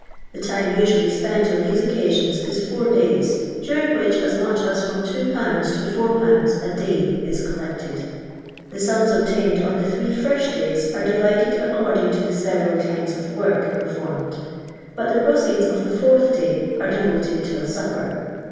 The time usually spent on these occasions is four days, during which as much as from 3A to Al a day is collected ; the sums obtained on the three first days are divided according to the several kinds of work performed. But the proceeds of the fourth day are devoted to a supper.